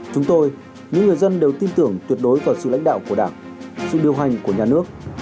chúng tôi những người dân đều tin tưởng tuyệt đối vào sự lãnh đạo của đảng sự điều hành của nhà nước